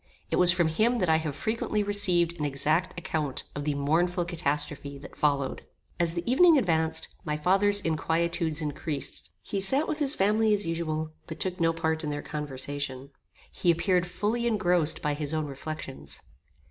It was from him that I have frequently received an exact account of the mournful catastrophe that followed. As the evening advanced, my father's inquietudes increased. He sat with his family as usual, but took no part in their conversation. He appeared fully engrossed by his own reflections.